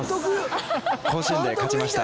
甲子園で勝ちました。